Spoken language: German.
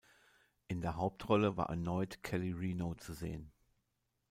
In der Hauptrolle war erneut Kelly Reno zu sehen.